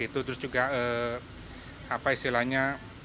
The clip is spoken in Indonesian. terus juga setelahnya